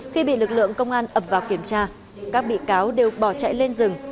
khi bị lực lượng công an ập vào kiểm tra các bị cáo đều bỏ chạy lên rừng